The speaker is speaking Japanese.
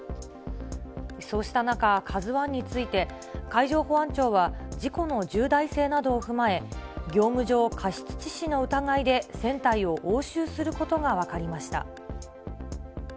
そうした中、ＫＡＺＵＩについて、海上保安庁は事故の重大性などを踏まえ、業務上過失致死の疑いで船体を押収することが分かりました。